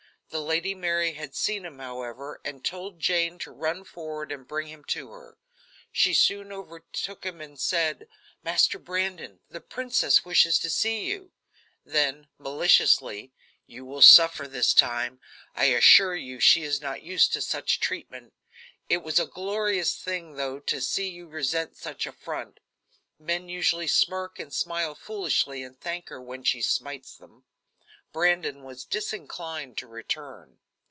The Lady Mary had seen him, however, and told Jane to run forward and bring him to her. She soon overtook him and said: "Master Brandon, the princess wishes to see you." Then, maliciously: "You will suffer this time. I assure you she is not used to such treatment. It was glorious, though, to see you resent such an affront. Men usually smirk and smile foolishly and thank her when she smites them." Brandon was disinclined to return.